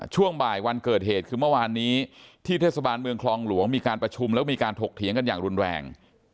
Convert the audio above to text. ช่วงบ่ายวันเกิดเหตุคือเมื่อวานนี้ที่เทศบาลเมืองคลองหลวงมีการประชุมแล้วมีการถกเถียงกันอย่างรุนแรง